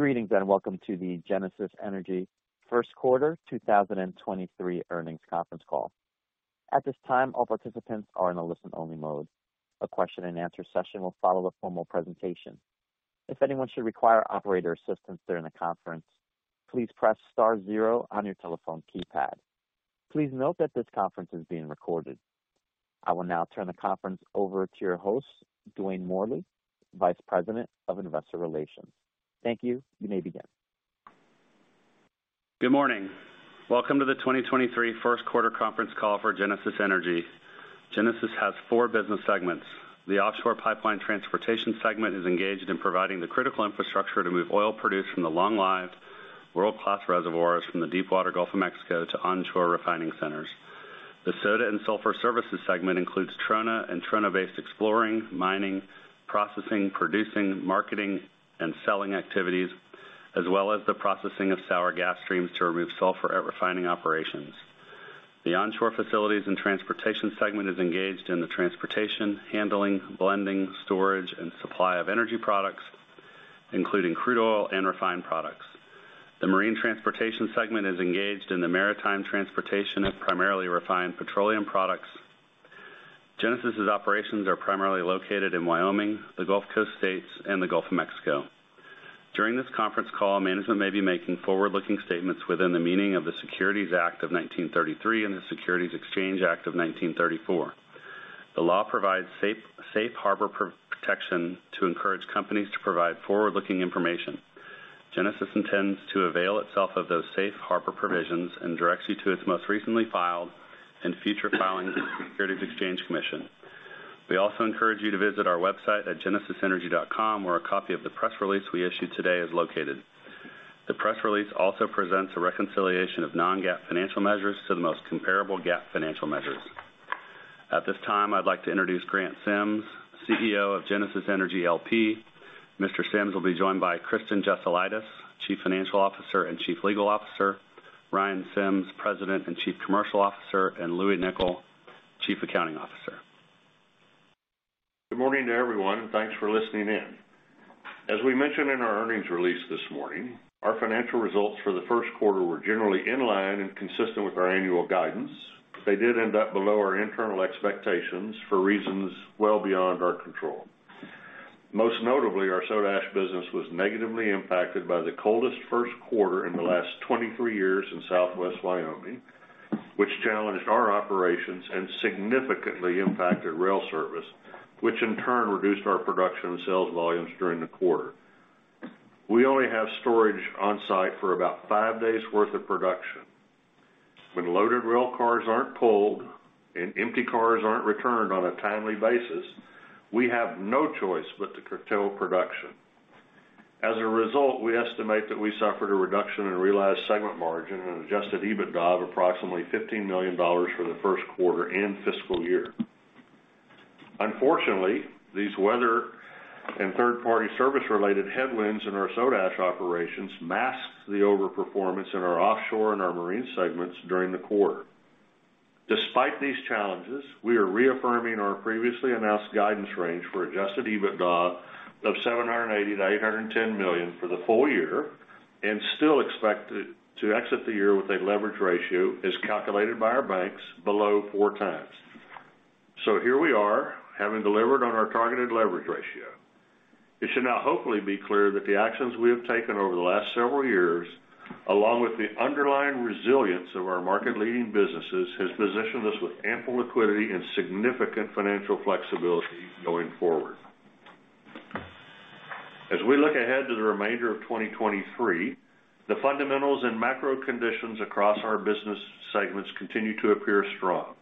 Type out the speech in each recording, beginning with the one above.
Greetings, and welcome to the Genesis Energy first quarter 2023 earnings conference call. At this time, all participants are in a listen-only mode. A question and answer session will follow the formal presentation. If anyone should require operator assistance during the conference, please press Star zero on your telephone keypad. Please note that this conference is being recorded. I will now turn the conference over to your host, Dwayne Morley, Vice President of Investor Relations. Thank you. You may begin. Good morning. Welcome to the 2023 first quarter conference call for Genesis Energy. Genesis has four business segments. The offshore pipeline transportation segment is engaged in providing the critical infrastructure to move oil produced from the long-lived world-class reservoirs from the deep water Gulf of Mexico to onshore refining centers. The soda and sulfur services segment includes trona and trona-based exploring, mining, processing, producing, marketing, and selling activities, as well as the processing of sour gas streams to remove sulfur at refining operations. The onshore facilities and transportation segment is engaged in the transportation, handling, blending, storage, and supply of energy products, including crude oil and refined products. The marine transportation segment is engaged in the maritime transportation of primarily refined petroleum products. Genesis' operations are primarily located in Wyoming, the Gulf Coast states, and the Gulf of Mexico. During this conference call, management may be making forward-looking statements within the meaning of the Securities Act of 1933 and the Securities Exchange Act of 1934. The law provides safe harbor protection to encourage companies to provide forward-looking information. Genesis intends to avail itself of those safe harbor provisions and directs you to its most recently filed and future filings with the Securities Exchange Commission. We also encourage you to visit our website at genesisenergy.com, where a copy of the press release we issued today is located. The press release also presents a reconciliation of non-GAAP financial measures to the most comparable GAAP financial measures. At this time, I'd like to introduce Grant Sims, CEO of Genesis Energy, L.P. Mr. Sims will be joined by Kristen Jesulaitis, Chief Financial Officer and Chief Legal Officer, Ryan Sims, President and Chief Commercial Officer, and Louis Nicol, Chief Accounting Officer. Good morning to everyone, and thanks for listening in. As we mentioned in our earnings release this morning, our financial results for the first quarter were generally in line and consistent with our annual guidance. They did end up below our internal expectations for reasons well beyond our control. Most notably, our soda ash business was negatively impacted by the coldest first quarter in the last 23 years in Southwest Wyoming, which challenged our operations and significantly impacted rail service, which in turn reduced our production and sales volumes during the quarter. We only have storage on site for about 5 days worth of production. When loaded rail cars aren't pulled and empty cars aren't returned on a timely basis, we have no choice but to curtail production. We estimate that we suffered a reduction in realized Segment Margin and Adjusted EBITDA of approximately $15 million for the first quarter and fiscal year. Unfortunately, these weather and third-party service-related headwinds in our soda ash operations masked the overperformance in our offshore and our marine segments during the quarter. Despite these challenges, we are reaffirming our previously announced guidance range for Adjusted EBITDA of $780 million-$810 million for the full year and still expect it to exit the year with a leverage ratio as calculated by our banks below four times. Here we are having delivered on our targeted leverage ratio. It should now hopefully be clear that the actions we have taken over the last several years, along with the underlying resilience of our market-leading businesses, has positioned us with ample liquidity and significant financial flexibility going forward. As we look ahead to the remainder of 2023, the fundamentals and macro conditions across our business segments continue to appear strong.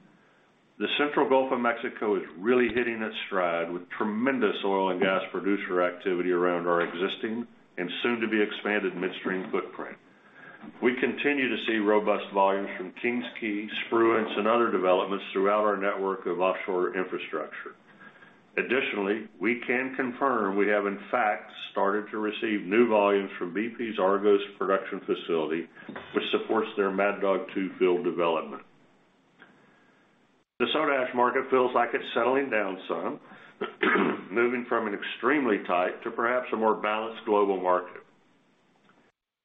The central Gulf of Mexico is really hitting its stride with tremendous oil and gas producer activity around our existing and soon to be expanded midstream footprint. We continue to see robust volumes from King's Quay, Spruance, and other developments throughout our network of offshore infrastructure. Additionally, we can confirm we have in fact started to receive new volumes from BP's Argos production facility, which supports their Mad Dog 2 field development. The soda ash market feels like it's settling down some, moving from an extremely tight to perhaps a more balanced global market.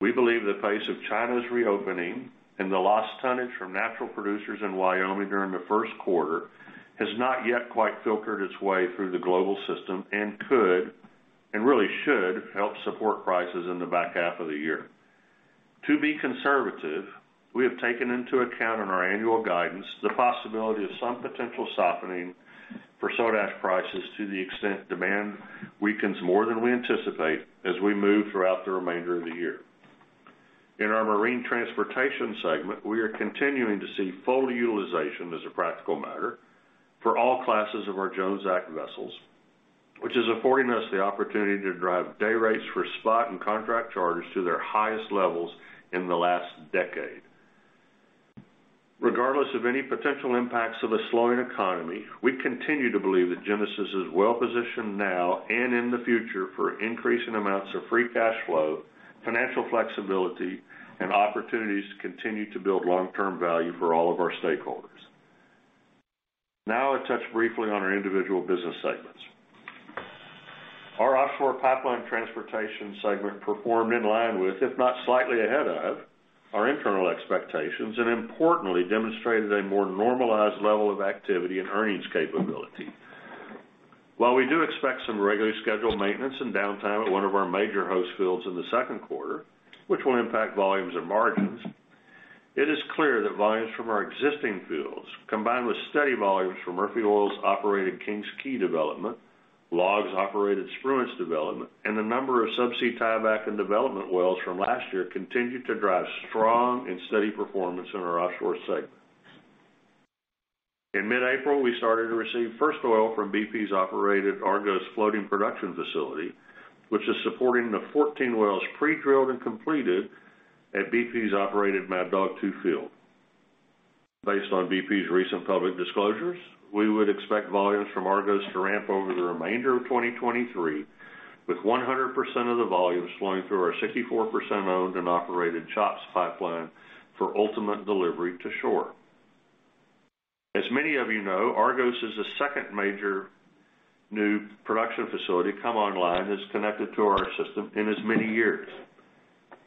We believe the pace of China's reopening and the lost tonnage from natural producers in Wyoming during the first quarter has not yet quite filtered its way through the global system and could, and really should, help support prices in the back half of the year. To be conservative, we have taken into account in our annual guidance the possibility of some potential softening for soda ash prices to the extent demand weakens more than we anticipate as we move throughout the remainder of the year. In our marine transportation segment, we are continuing to see full utilization as a practical matter for all classes of our Jones Act vessels, which is affording us the opportunity to drive day rates for spot and contract charters to their highest levels in the last decade. Regardless of any potential impacts of a slowing economy, we continue to believe that Genesis is well positioned now and in the future for increasing amounts of free cash flow, financial flexibility, and opportunities to continue to build long-term value for all of our stakeholders. Now I'll touch briefly on our individual business segments. Our offshore pipeline transportation segment performed in line with, if not slightly ahead of, our internal expectations, and importantly, demonstrated a more normalized level of activity and earnings capability. While we do expect some regularly scheduled maintenance and downtime at one of our major host fields in the second quarter, which will impact volumes and margins, it is clear that volumes from our existing fields, combined with steady volumes from Murphy Oil's operated King's Quay development, LLOG's operated Spruance development, and a number of subsea tieback and development wells from last year continued to drive strong and steady performance in our offshore segment. In mid-April, we started to receive first oil from BP's operated Argos floating production facility, which is supporting the 14 wells pre-drilled and completed at BP's operated Mad Dog 2 field. Based on BP's recent public disclosures, we would expect volumes from Argos to ramp over the remainder of 2023, with 100% of the volumes flowing through our 64% owned and operated CHOPS pipeline for ultimate delivery to shore. As many of you know, Argos is the second major new production facility come online that's connected to our system in as many years.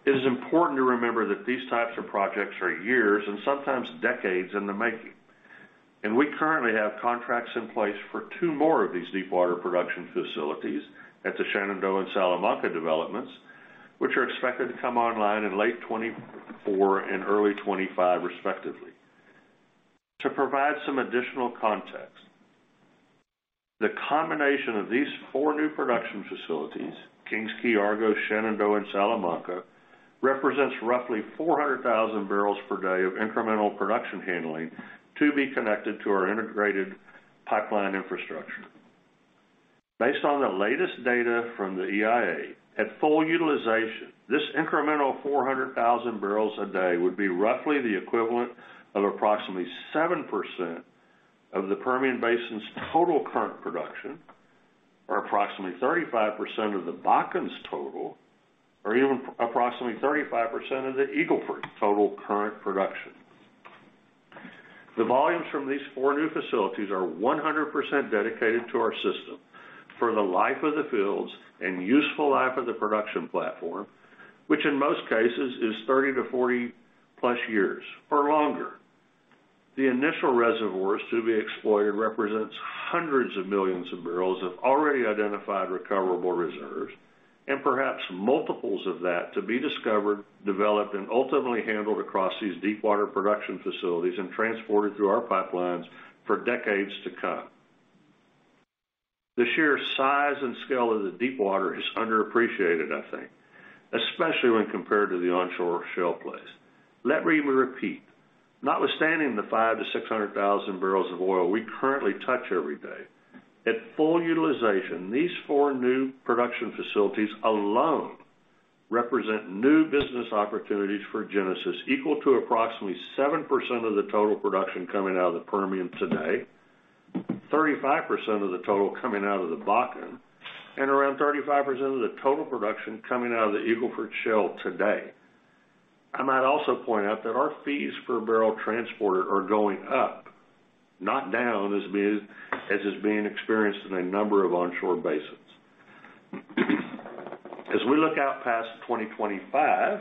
It is important to remember that these types of projects are years, and sometimes decades in the making. We currently have contracts in place for two more of these deepwater production facilities at the Shenandoah and Salamanca developments, which are expected to come online in late 2024 and early 2025, respectively. To provide some additional context, the combination of these four new production facilities, King's Quay, Argos, Shenandoah, and Salamanca, represents roughly 400,000 barrels per day of incremental production handling to be connected to our integrated pipeline infrastructure. Based on the latest data from the EIA, at full utilization, this incremental 400,000 barrels a day would be roughly the equivalent of approximately 7% of the Permian Basin's total current production, or approximately 35% of the Bakken's total, or even approximately 35% of the Eagle Ford's total current production. The volumes from these four new facilities are 100% dedicated to our system for the life of the fields and useful life of the production platform, which in most cases is 30 to 40+ years or longer. The initial reservoirs to be exploited represents hundreds of millions of barrels of already identified recoverable reserves, and perhaps multiples of that to be discovered, developed, and ultimately handled across these deepwater production facilities and transported through our pipelines for decades to come. The sheer size and scale of the deepwater is underappreciated, I think, especially when compared to the onshore shale plays. Let me repeat. Notwithstanding the 500,000-600,000 barrels of oil we currently touch every day, at full utilization, these four new production facilities alone represent new business opportunities for Genesis equal to approximately 7% of the total production coming out of the Permian today, 35% of the total coming out of the Bakken, and around 35% of the total production coming out of the Eagle Ford Shale today. I might also point out that our fees for a barrel transporter are going up, not down, as is being experienced in a number of onshore basins. As we look out past 2025,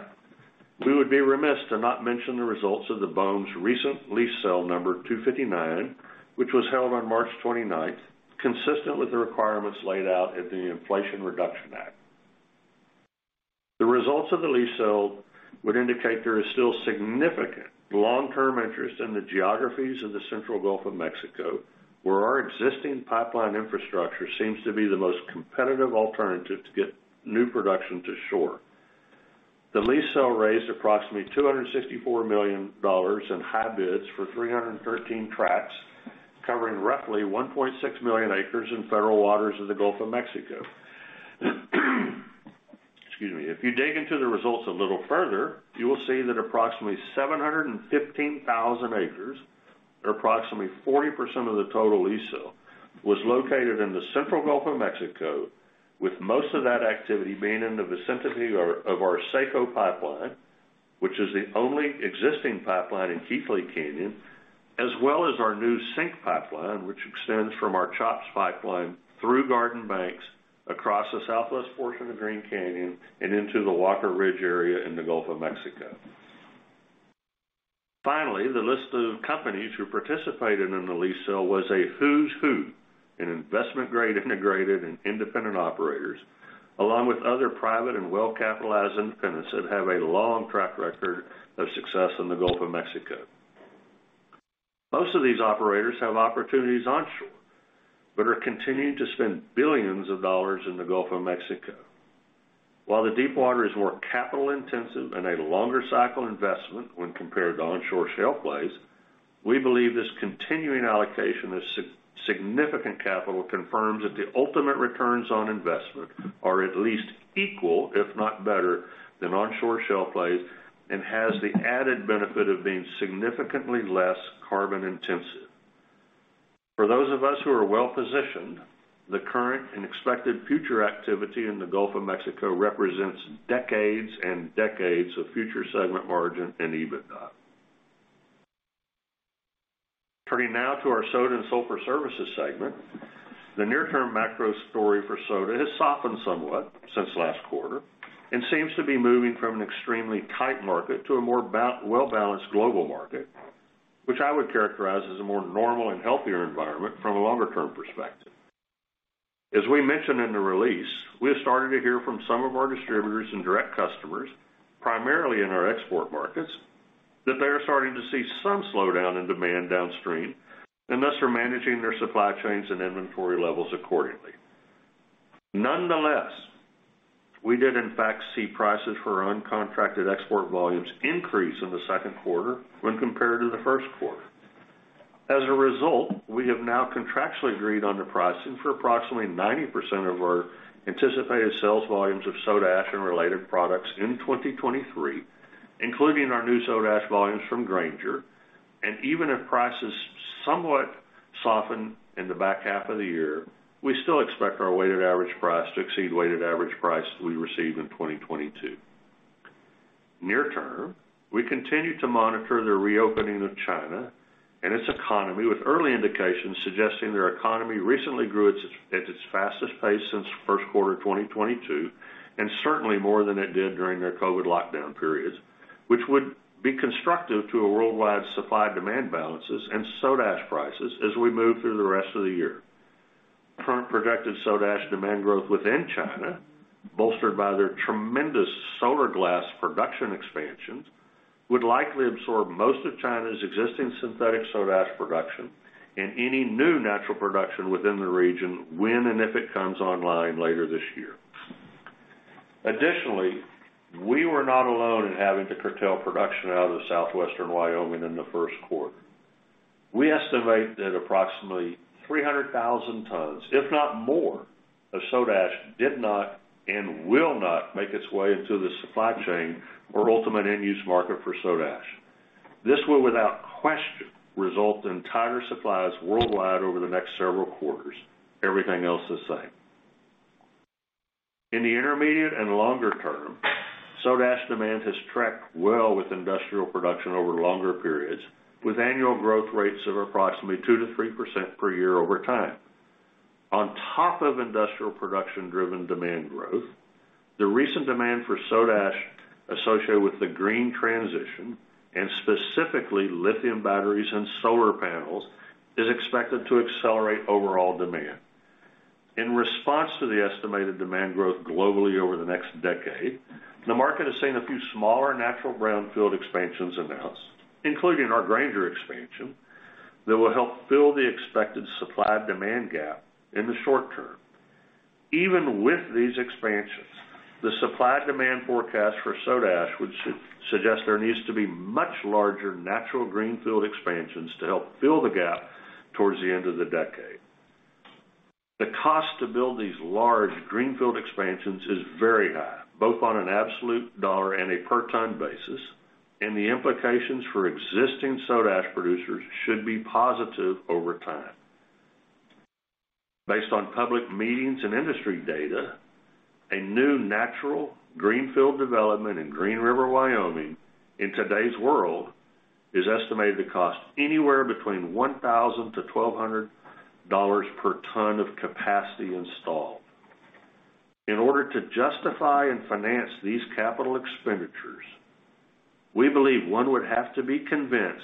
we would be remiss to not mention the results of the BOEM's recent Lease Sale 259, which was held on March 29th, consistent with the requirements laid out at the Inflation Reduction Act. The results of the lease sale would indicate there is still significant long-term interest in the geographies of the Central Gulf of Mexico, where our existing pipeline infrastructure seems to be the most competitive alternative to get new production to shore. The lease sale raised approximately $264 million in high bids for 313 tracts, covering roughly 1.6 million acres in federal waters of the Gulf of Mexico. Excuse me. If you dig into the results a little further, you will see that approximately 715,000 acres, or approximately 40% of the total lease sale, was located in the Central Gulf of Mexico, with most of that activity being in the vicinity of our SEKCO pipeline, which is the only existing pipeline in Keathley Canyon, as well as our new SYNC pipeline, which extends from our CHOPS pipeline through Garden Banks, across the southwest portion of Green Canyon, and into the Walker Ridge area in the Gulf of Mexico. Finally, the list of companies who participated in the lease sale was a who's who in investment-grade integrated and independent operators, along with other private and well-capitalized independents that have a long track record of success in the Gulf of Mexico. Most of these operators have opportunities onshore, but are continuing to spend billions of dollars in the Gulf of Mexico. While the deepwater is more capital-intensive and a longer cycle investment when compared to onshore shale plays, we believe this continuing allocation of significant capital confirms that the ultimate returns on investment are at least equal, if not better, than onshore shale plays, and has the added benefit of being significantly less carbon-intensive. The current and expected future activity in the Gulf of Mexico represents decades and decades of future Segment Margin and EBITDA. Turning now to our Soda and Sulfur Services Segment. The near-term macro story for soda has softened somewhat since last quarter and seems to be moving from an extremely tight market to a more well-balanced global market, which I would characterize as a more normal and healthier environment from a longer-term perspective. As we mentioned in the release, we have started to hear from some of our distributors and direct customers, primarily in our export markets, that they are starting to see some slowdown in demand downstream and thus are managing their supply chains and inventory levels accordingly. Nonetheless, we did in fact see prices for uncontracted export volumes increase in the second quarter when compared to the first quarter. As a result, we have now contractually agreed on the pricing for approximately 90% of our anticipated sales volumes of soda ash and related products in 2023, including our new soda ash volumes from Granger. Even if prices somewhat soften in the back half of the year, we still expect our weighted average price to exceed weighted average price we received in 2022. Near term, we continue to monitor the reopening of China and its economy, with early indications suggesting their economy recently grew at its fastest pace since 1st quarter of 2022, and certainly more than it did during their COVID lockdown periods, which would be constructive to a worldwide supply-demand balances and soda ash prices as we move through the rest of the year. Current projected soda ash demand growth within China, bolstered by their tremendous solar glass production expansion, would likely absorb most of China's existing synthetic soda ash production and any new natural production within the region when and if it comes online later this year. Additionally, we were not alone in having to curtail production out of Southwestern Wyoming in the first quarter. We estimate that approximately 300,000 tons, if not more, of soda ash did not and will not make its way into the supply chain or ultimate end-use market for soda ash. This will without question result in tighter supplies worldwide over the next several quarters, everything else the same. In the intermediate and longer term, soda ash demand has tracked well with industrial production over longer periods, with annual growth rates of approximately 2%-3% per year over time. On top of industrial production-driven demand growth, the recent demand for soda ash associated with the green transition, and specifically lithium batteries and solar panels, is expected to accelerate overall demand. In response to the estimated demand growth globally over the next decade, the market has seen a few smaller natural greenfield expansions announced, including our Granger expansion, that will help fill the expected supply-demand gap in the short term. Even with these expansions, the supply-demand forecast for soda ash would suggest there needs to be much larger natural greenfield expansions to help fill the gap towards the end of the decade. The cost to build these large greenfield expansions is very high, both on an absolute dollar and a per ton basis. The implications for existing soda ash producers should be positive over time. Based on public meetings and industry data, a new natural greenfield development in Green River, Wyoming, in today's world, is estimated to cost anywhere between $1,000-$1,200 per ton of capacity installed. In order to justify and finance these capital expenditures, we believe one would have to be convinced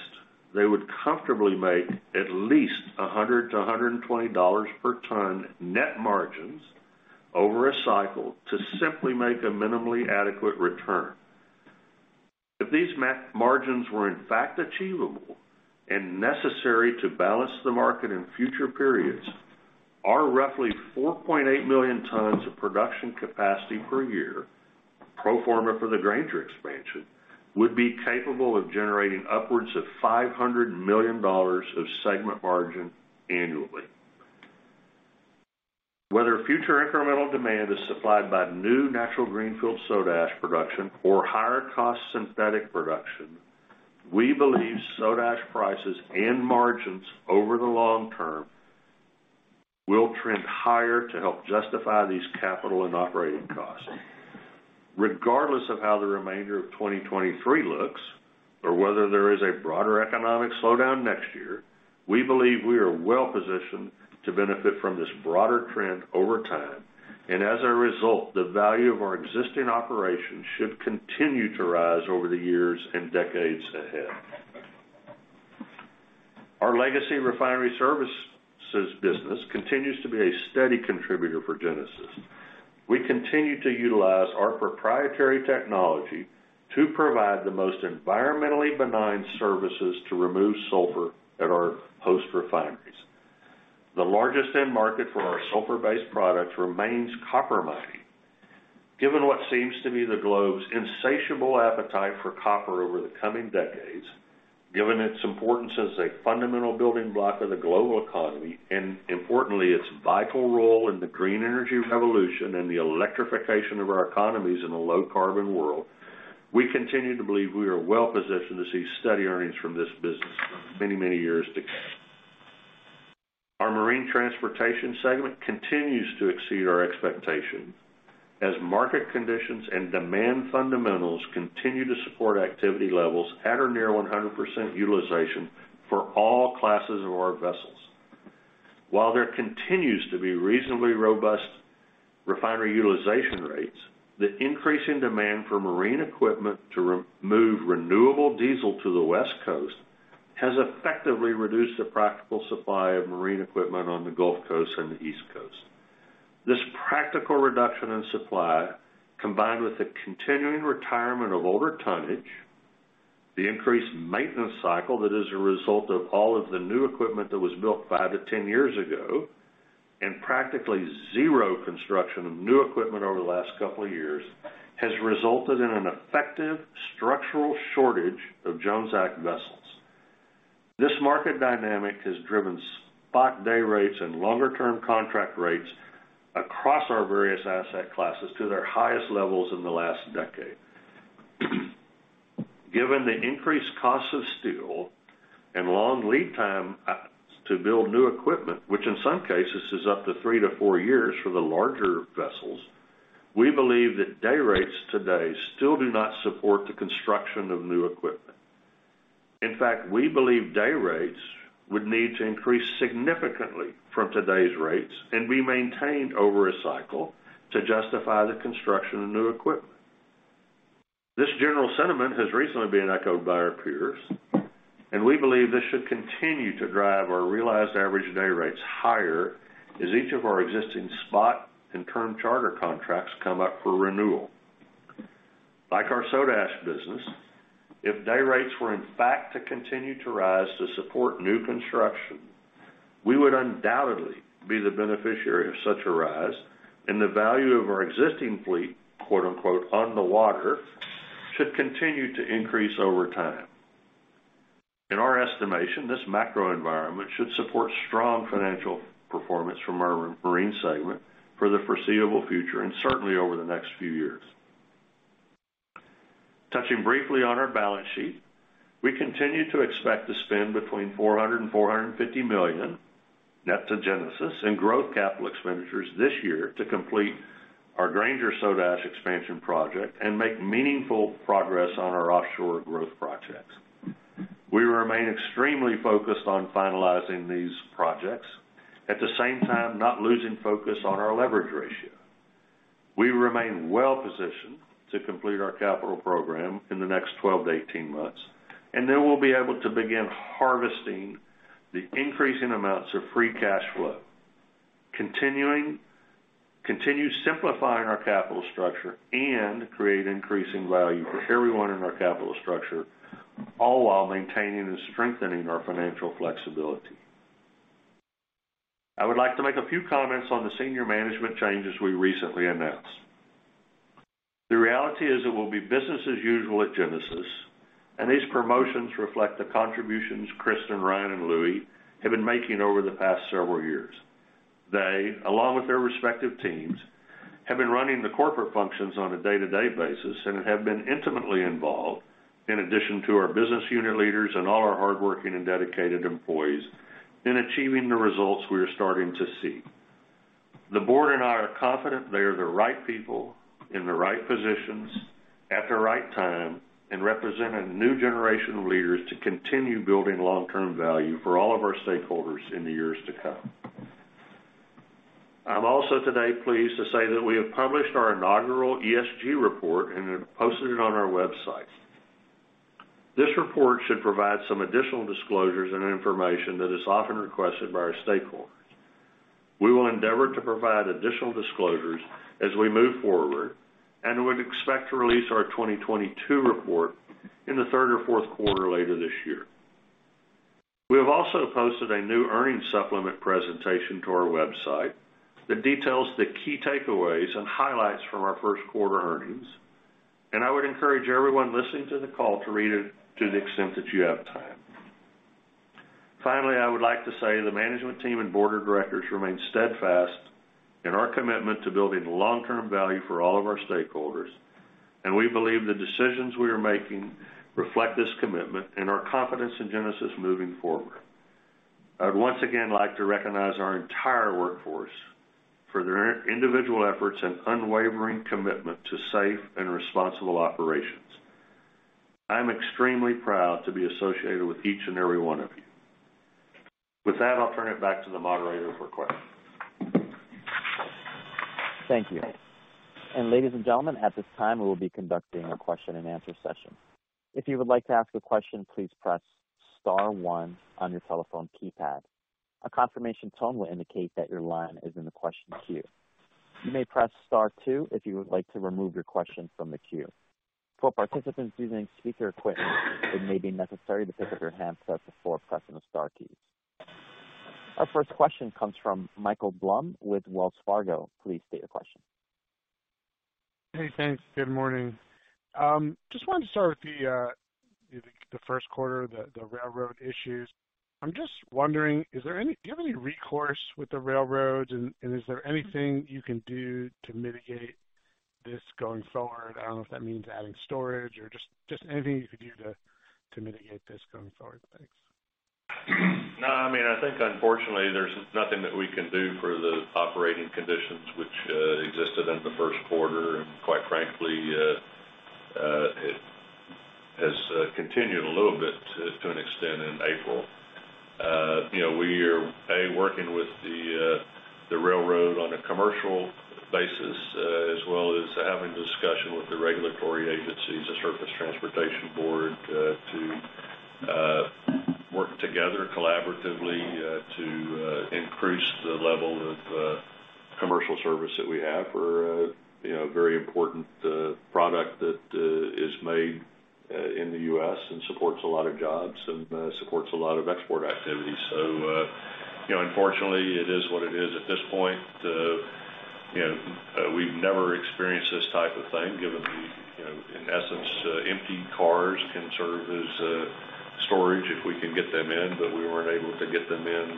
they would comfortably make at least $100-$120 per ton net margins over a cycle to simply make a minimally adequate return. If these margins were in fact achievable and necessary to balance the market in future periods, our roughly 4.8 million tons of production capacity per year, pro forma for the Granger expansion, would be capable of generating upwards of $500 million of Segment Margin annually. Whether future incremental demand is supplied by new natural greenfield soda ash production or higher cost synthetic production, we believe soda ash prices and margins over the long term will trend higher to help justify these capital and operating costs. Regardless of how the remainder of 2023 looks or whether there is a broader economic slowdown next year, we believe we are well positioned to benefit from this broader trend over time. As a result, the value of our existing operations should continue to rise over the years and decades ahead. Our legacy refinery services business continues to be a steady contributor for Genesis. We continue to utilize our proprietary technology to provide the most environmentally benign services to remove sulfur at our host refineries. The largest end market for our sulfur-based products remains copper mining. Given what seems to be the globe's insatiable appetite for copper over the coming decades, given its importance as a fundamental building block of the global economy, and importantly, its vital role in the green energy revolution and the electrification of our economies in a low carbon world. We continue to believe we are well positioned to see steady earnings from this business many, many years to come. Our marine transportation segment continues to exceed our expectation as market conditions and demand fundamentals continue to support activity levels at or near 100% utilization for all classes of our vessels. While there continues to be reasonably robust refinery utilization rates, the increase in demand for marine equipment to remove renewable diesel to the West Coast has effectively reduced the practical supply of marine equipment on the Gulf Coast and the East Coast. This practical reduction in supply, combined with the continuing retirement of older tonnage, the increased maintenance cycle that is a result of all of the new equipment that was built five to 10 years ago, and practically zero construction of new equipment over the last couple of years, has resulted in an effective structural shortage of Jones Act vessels. This market dynamic has driven spot day rates and longer term contract rates across our various asset classes to their highest levels in the last decade. Given the increased cost of steel and long lead time to build new equipment, which in some cases is up to 3 to 4 years for the larger vessels, we believe that day rates today still do not support the construction of new equipment. In fact, we believe day rates would need to increase significantly from today's rates and be maintained over a cycle to justify the construction of new equipment. This general sentiment has recently been echoed by our peers, and we believe this should continue to drive our realized average day rates higher as each of our existing spot and term charter contracts come up for renewal. Like our soda ash business, if day rates were in fact to continue to rise to support new construction, we would undoubtedly be the beneficiary of such a rise, and the value of our existing fleet, quote-unquote, "on the water" should continue to increase over time. In our estimation, this macro environment should support strong financial performance from our marine segment for the foreseeable future and certainly over the next few years. Touching briefly on our balance sheet, we continue to expect to spend between $400 million and $450 million net to Genesis in growth CapEx this year to complete our Granger Soda Ash expansion project and make meaningful progress on our offshore growth projects. We remain extremely focused on finalizing these projects, at the same time, not losing focus on our leverage ratio. We remain well positioned to complete our capital program in the next 12-18 months, and then will be able to begin harvesting the increasing amounts of free cash flow, continue simplifying our capital structure and create increasing value for everyone in our capital structure, all while maintaining and strengthening our financial flexibility. I would like to make a few comments on the senior management changes we recently announced. The reality is it will be business as usual at Genesis, and these promotions reflect the contributions Kristin, Ryan, and Louis have been making over the past several years. They, along with their respective teams, have been running the corporate functions on a day-to-day basis and have been intimately involved, in addition to our business unit leaders and all our hardworking and dedicated employees in achieving the results we are starting to see. The board and I are confident they are the right people in the right positions at the right time and represent a new generation of leaders to continue building long-term value for all of our stakeholders in the years to come. I'm also today pleased to say that we have published our inaugural ESG report and have posted it on our website. This report should provide some additional disclosures and information that is often requested by our stakeholders. We will endeavor to provide additional disclosures as we move forward and would expect to release our 2022 report in the third or fourth quarter later this year. We have also posted a new earnings supplement presentation to our website that details the key takeaways and highlights from our first quarter earnings. I would encourage everyone listening to the call to read it to the extent that you have time. Finally, I would like to say the management team and board of directors remain steadfast in our commitment to building long-term value for all of our stakeholders, and we believe the decisions we are making reflect this commitment and our confidence in Genesis moving forward. I would once again like to recognize our entire workforce for their individual efforts and unwavering commitment to safe and responsible operations. I'm extremely proud to be associated with each and every one of you. With that, I'll turn it back to the moderator for questions. Thank you. Ladies and gentlemen, at this time, we will be conducting a question-and-answer session. If you would like to ask a question, please press Star one on your telephone keypad. A confirmation tone will indicate that your line is in the question queue. You may press star two if you would like to remove your question from the queue. For participants using speaker equipment, it may be necessary to pick up your handset before pressing the Star keys. Our first question comes from Michael Blum with Wells Fargo. Please state your question. Hey, thanks. Good morning. Just wanted to start with the first quarter, the railroad issues. I'm just wondering, do you have any recourse with the railroads and is there anything you can do to mitigate this going forward? I don't know if that means adding storage or just anything you could do to mitigate this going forward. Thanks. I mean, I think unfortunately there's nothing that we can do for the operating conditions which existed in the first quarter. Quite frankly, it has continued a little bit to an extent in April. You know, we are working with the railroad on a commercial basis, as well as having discussion with the regulatory agencies, the Surface Transportation Board, to work together collaboratively to increase the level of commercial service that we have for, you know, very important product that is made in the U.S. and supports a lot of jobs and supports a lot of export activity. You know, unfortunately, it is what it is at this point. You know, we've never experienced this type of thing, given the, you know, in essence, empty cars can serve as storage if we can get them in, but we weren't able to get them in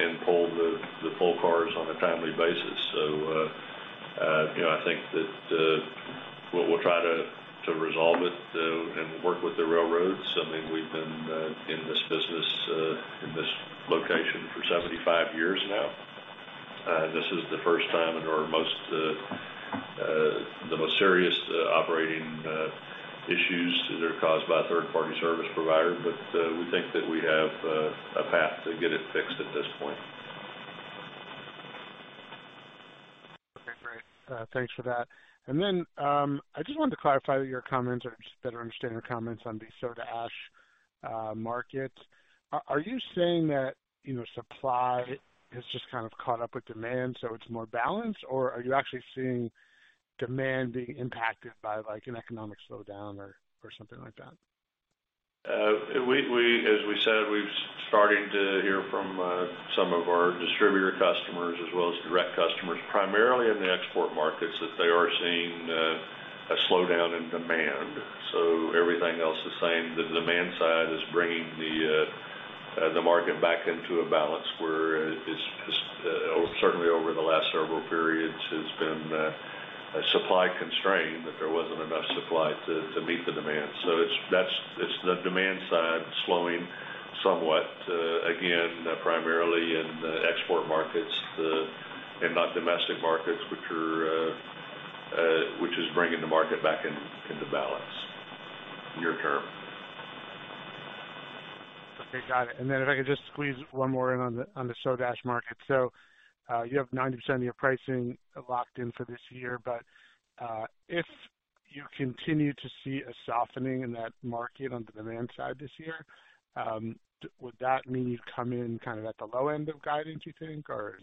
and pull the full cars on a timely basis. You know, I think that we'll try to resolve it and work with the railroads. I mean, we've been in this business in this location for 75 years now. This is the first time and/or most, the most serious operating issues that are caused by a third-party service provider. We think that we have a path to get it fixed at this point. Okay, great. Thanks for that. I just wanted to clarify your comments or just better understand your comments on the soda ash market. Are you saying that, you know, supply has just kind of caught up with demand, so it's more balanced? Or are you actually seeing demand being impacted by, like, an economic slowdown or something like that? As we said, we've starting to hear from some of our distributor customers as well as direct customers, primarily in the export markets, that they are seeing a slowdown in demand. Everything else the same. The demand side is bringing the market back into a balance where it's certainly over the last several periods has been a supply constraint, that there wasn't enough supply to meet the demand. It's the demand side slowing somewhat again, primarily in the export markets and not domestic markets, which are which is bringing the market back into balance near term. Okay, got it. If I could just squeeze one more in on the, on the soda ash market. You have 90% of your pricing locked in for this year. If you continue to see a softening in that market on the demand side this year, would that mean you'd come in kind of at the low end of guidance, you think, or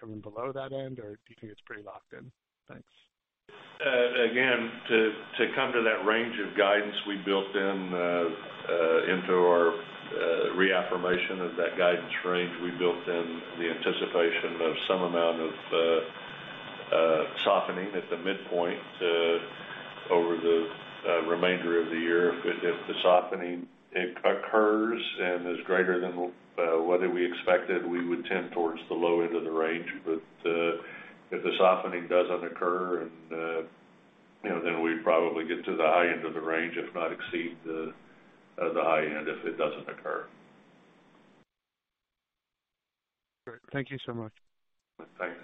coming below that end, or do you think it's pretty locked in? Thanks. again, to come to that range of guidance we built in into our reaffirmation of that guidance range, we built in the anticipation of some amount of softening at the midpoint over the remainder of the year. If the softening occurs and is greater than what we expected, we would tend towards the low end of the range. If the softening doesn't occur and, you know, then we'd probably get to the high end of the range, if not exceed the high end if it doesn't occur. Great. Thank you so much. Thanks.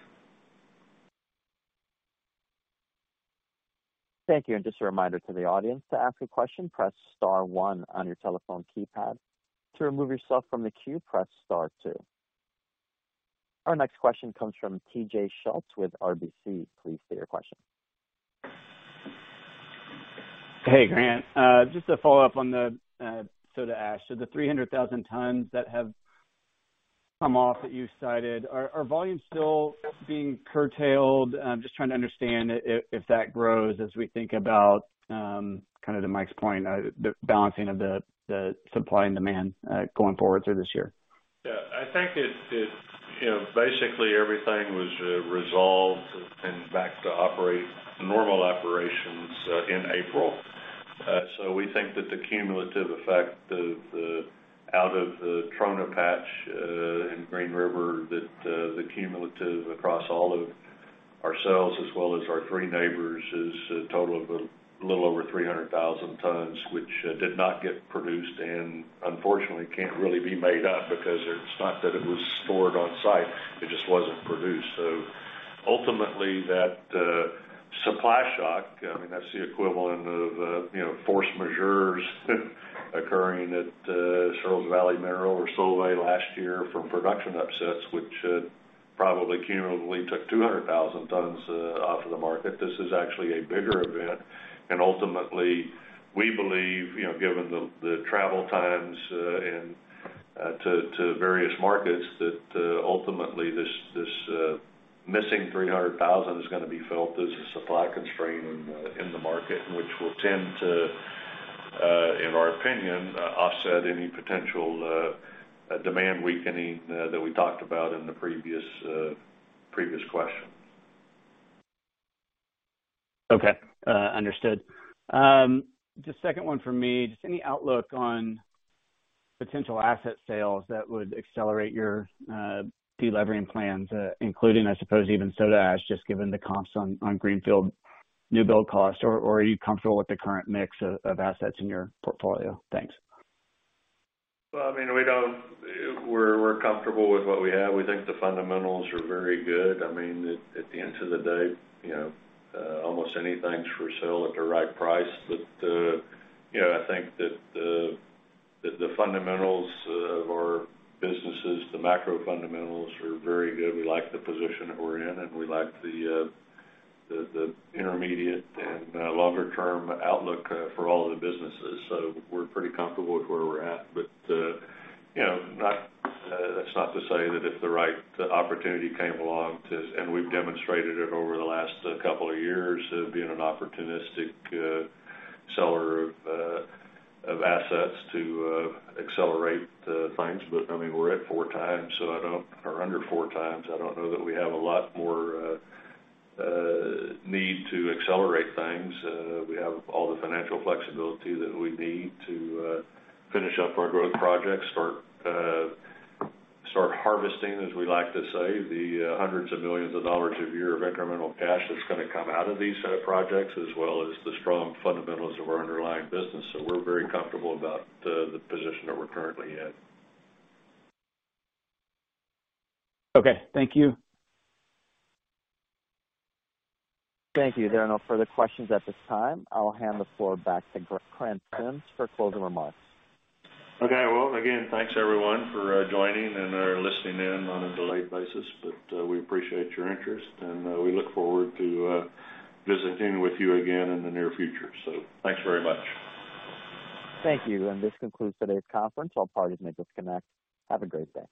Thank you. Just a reminder to the audience, to ask a question, press star one on your telephone keypad. To remove yourself from the queue, press star two. Our next question comes from TJ Schultz with RBC. Please state your question. Hey, Grant. Just to follow up on the soda ash. The 300,000 tons that have come off that you cited, are volumes still being curtailed? I'm just trying to understand if that grows as we think about kind of to Mike's point, the balancing of the supply and demand going forward through this year. I think it, you know, basically everything was resolved and back to operate normal operations in April. We think that the cumulative effect of the out of the Trona Patch and Green River, that the cumulative across all of ourselves as well as our three neighbors is a total of a little over 300,000 tons, which did not get produced and unfortunately can't really be made up because it's not that it was stored on site, it just wasn't produced. Ultimately, that supply shock, I mean, that's the equivalent of, you know, force majeures occurring at Searles Valley Minerals or Solvay last year from production upsets, which probably cumulatively took 200,000 tons off of the market. This is actually a bigger event. Ultimately, we believe, you know, given the travel times, and to various markets, that ultimately this missing 300,000 is gonna be felt as a supply constraint in the market, which will tend to in our opinion offset any potential demand weakening that we talked about in the previous question. Okay. Understood. The second one for me, just any outlook on potential asset sales that would accelerate your de-levering plans, including, I suppose, even soda ash, just given the comps on greenfield new build cost? Or are you comfortable with the current mix of assets in your portfolio? Thanks. Well, I mean, we don't... We're comfortable with what we have. We think the fundamentals are very good. I mean, at the end of the day, you know, almost anything's for sale at the right price. You know, I think that the, the fundamentals of our businesses, the macro fundamentals are very good. We like the position that we're in, and we like the, the intermediate and, longer term outlook, for all of the businesses. We're pretty comfortable with where we're at. You know, that's not to say that if the right opportunity came along to... We've demonstrated it over the last couple of years of being an opportunistic seller of assets to accelerate things. I mean, we're at four times, or under four times. I don't know that we have a lot more need to accelerate things. We have all the financial flexibility that we need to finish up our growth projects. Start harvesting, as we like to say, the hundreds of millions of dollars of year of incremental cash that's gonna come out of these set of projects, as well as the strong fundamentals of our underlying business. We're very comfortable about the position that we're currently in. Okay. Thank you. Thank you. There are no further questions at this time. I'll hand the floor back to Grant Sims for closing remarks. Okay. Well, again, thanks, everyone, for joining and/or listening in on a delayed basis. We appreciate your interest, and, we look forward to visiting with you again in the near future. Thanks very much. Thank you. This concludes today's conference. All parties may disconnect. Have a great day.